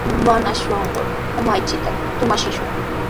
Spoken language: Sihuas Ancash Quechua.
Mana shaykur umanchikta tumachishun.